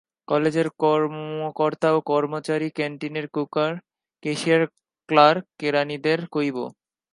কলেজের কর্মকর্তা-কর্মচারী, কেন্টিনের কুকার, কেশিয়ার, ক্লার্ক, করণিকদের কইব।